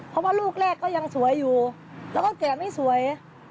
เพราะว่าลูกแรกก็ยังสวยอยู่แล้วก็แก่ไม่สวย